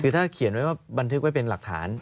คือถ้าเขียนไว้ว่าบันทึกไว้เป็นหลักฐาน